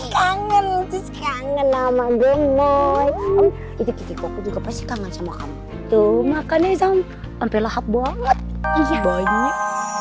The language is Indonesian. kangen nama gue itu juga pasti kangen sama kamu tuh makanya sampai lahap banget banyak